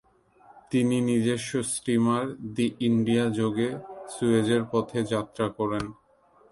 তিনি নিজস্ব steamer ‘the India’ যোগে সুয়েজের পথে যাত্রা করেন।